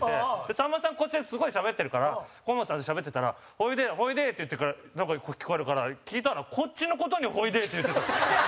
さんまさん、こっちですごいしゃべってるから河本さんとしゃべってたら「ほいで、ほいで」ってなんか聞こえるから、聞いたらこっちの事に「ほいで」って言ってた。